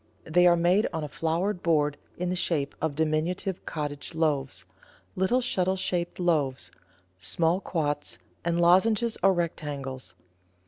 They are made on a floured board in the shape of diminutive cottage loaves, little shuttle shaped loaves, small quoits, and lozenges or rectangles.